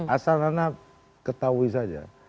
asal anak ketahui saja